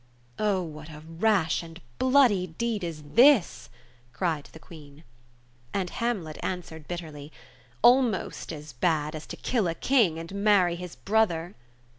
"Oh, what a rash and bloody deed is this," cried the Queen. And Hamlet answered bitterly. Almost as bad as to kill a king, and marry his brother."